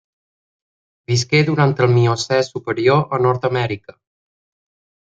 Visqué durant el Miocè superior a Nord-amèrica.